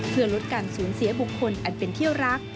เพื่อลดการสูญเสียบุคคลอันเป็นเที่ยวรัก